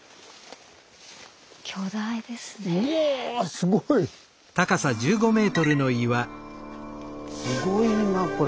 すごいなこれ。